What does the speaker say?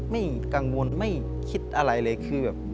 ไม่กังวลไม่คิดอะไรเลยคือแบบ